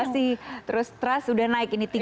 pasti terus trust sudah naik ini tiga belas persen